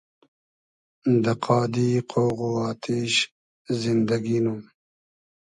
دۂ قادی قۉغ و آتیش زیندئگی نوم